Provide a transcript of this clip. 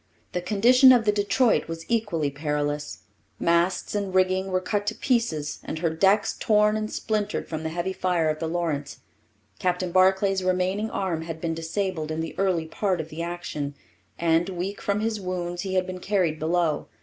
The condition of the Detroit was equally perilous. Masts and rigging were cut to pieces and her decks torn and splintered from the heavy fire of the Lawrence. Captain Barclay's remaining arm had been disabled in the early part of the action, and, weak from his wounds, he had been carried below.